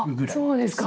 そうですか。